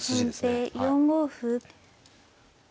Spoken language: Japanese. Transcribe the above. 先手４五歩。